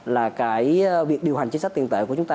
là cái việc điều hành chính sách tiền tệ của chúng ta